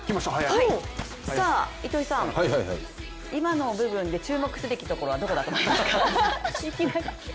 糸井さん、今の部分で注目すべき部分はどこだと思いますか？